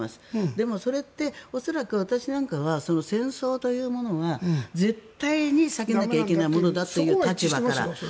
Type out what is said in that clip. でもそれって恐らく私なんかは戦争というものが絶対に避けなきゃいけないものだという立場だから。